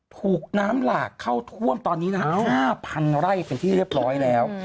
ถูกน้ำหลากเข้าท่วมตอนนี้นะฮะ๕๐๐ไร่เป็นที่เรียบร้อยแล้ว